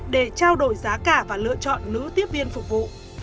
để trao đổi giá cả và lựa chọn nữ tiếp viên phục vụ